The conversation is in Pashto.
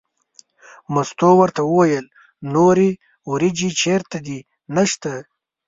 مستو ورته وویل نورې وریجې چېرته دي نشته.